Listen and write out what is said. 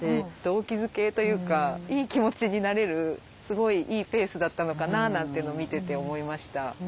動機づけというかいい気持ちになれるすごいいいペースだったのかななんていうのを見てて思いました。